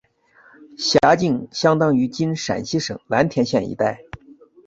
辖境相当今陕西省蓝田县一带。